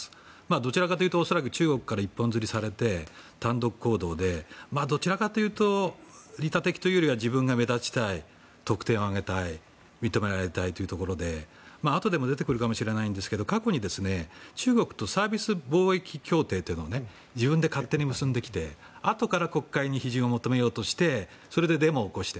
どちらかというと中国から一本釣りされて、単独行動でどちらかというと利他的というよりは自分が目立ちたい得点を上げたい認められたいというところであとでも出てくるかもしれないんですが過去に、中国とサービス貿易協定というのを自分で勝手に結んできて後から国会に批准を求めようとしてデモをして。